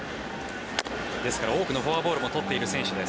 ですから多くのフォアボールも取っている選手です。